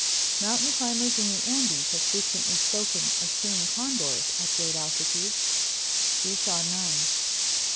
Mountain climbers in the Andes have frequently spoken of seeing condors at great altitudes. We saw none.